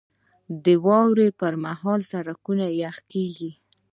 • د واورې پر مهال سړکونه یخ کېږي.